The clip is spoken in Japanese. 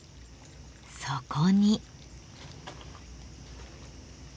そこに。